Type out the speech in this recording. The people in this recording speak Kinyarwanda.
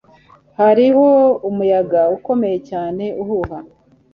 Hariho umuyaga ukomeye cyane uhuha.